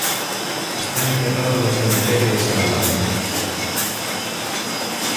Está enterrado no cemiterio de San Amaro.